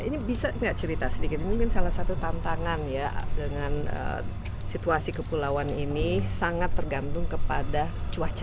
ini bisa nggak cerita sedikit ini mungkin salah satu tantangan ya dengan situasi kepulauan ini sangat tergantung kepada cuaca